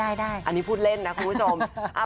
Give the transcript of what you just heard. อันนี้พูดเล่นนะคุณผู้ชม